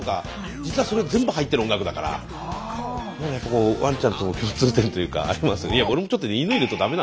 実はそれ全部入ってる音楽だからやっぱこうわんちゃんとの共通点というかありますよね。